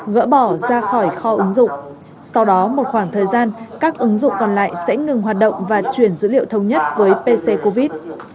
gỡ bỏ ra khỏi kho ứng dụng sau đó một khoảng thời gian các ứng dụng còn lại sẽ ngừng hoạt động và chuyển dữ liệu thống nhất với pc covid